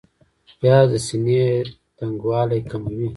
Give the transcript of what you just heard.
پیاز د سینې تنګوالی کموي